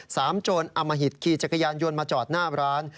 โจรอมหิตขี่จักรยานยนต์มาจอดหน้าร้าน